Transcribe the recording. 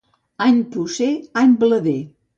Any pucer, any blader.